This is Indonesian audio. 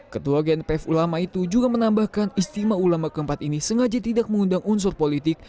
ketua gnpf ulama itu juga menambahkan istimewa ulama keempat ini sengaja tidak mengundang unsur politik